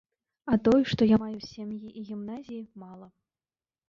А той, што я маю з сям'і і гімназіі, мала.